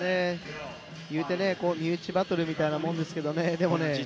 ゆうて、身内バトルみたいなもんですけどね